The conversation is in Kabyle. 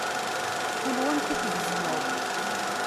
Kul wa amek i t-tgezmeḍ.